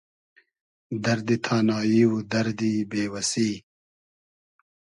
دئردی تانایی و دئردی بې وئسی